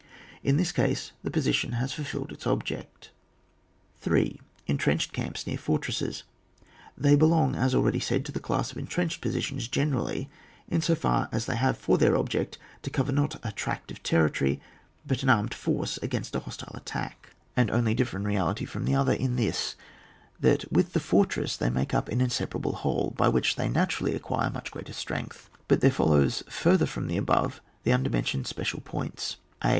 In this case the position has fulfilled its object. 3. Entrenched eamps near fortresses. — They belong, as already said, to the class of entrenched positions generally, in so far, as they have for their object to cover not a tract of territoiy, but an armed force against a hostile attack, and only differ in reality from the other in this, that with the fortress they make up an inseparable whole, by which they naturally acquire much greater strength. But there follows further from the above the undermentioned special points. a.